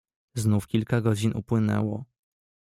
"Znów kilka godzin upłynęło."